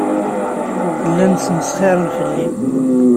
Llan smesxiren fell-i.